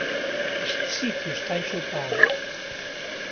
Este sitio está enchoupado.